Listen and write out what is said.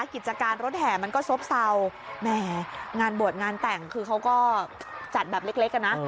กิจการรถแห่มันก็โซ่บเซางานบวชงานแปลงคือเขาก็จัดแบบเล็กนะ